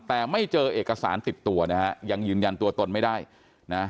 แต่ไม่เจอเอกสารติดตัวนะฮะยังยืนยันตัวตนไม่ได้นะ